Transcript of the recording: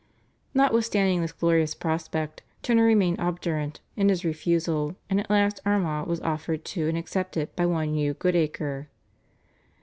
Notwithstanding this glorious prospect Turner remained obdurate in his refusal, and at last Armagh was offered to and accepted by one Hugh Goodacre.